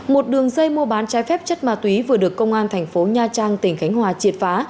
một đường dây mua bán trái phép chất ma túy vừa được công an thành phố nha trang tỉnh khánh hòa triệt phá